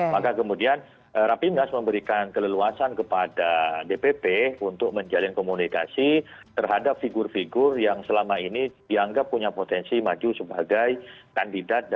maka kemudian rapimnas memberikan keleluasan kepada dpp untuk menjalin komunikasi terhadap figur figur yang selama ini dianggap punya potensi maju sebagai kandidat